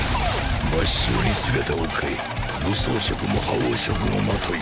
真っ白に姿を変え武装色も覇王色もまとい